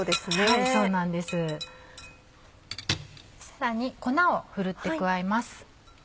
さらに粉をふるって加えます。